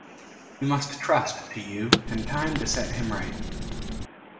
We must trust to you and time to set him right.